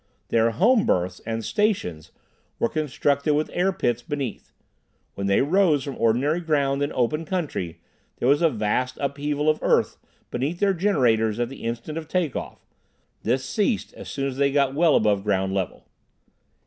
Their "home berths" and "stations" were constructed with air pits beneath. When they rose from ordinary ground in open country, there was a vast upheaval of earth beneath their generators at the instant of take off; this ceased as they got well above ground level.